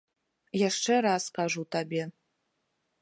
Яшчэ раз кажу табе.